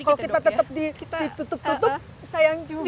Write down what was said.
kalau kita tetap ditutup tutup sayang juga